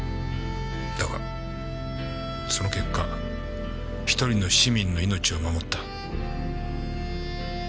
だがその結果１人の市民の命を守った。